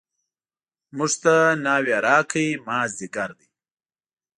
موږ ته ناوې راکړئ مازدیګر دی.